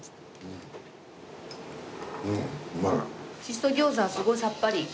しそ餃子はすごいさっぱり。